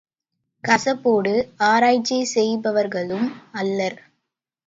கசப்போடு ஆராய்ச்சி செய்பவர்களும் அல்லர்.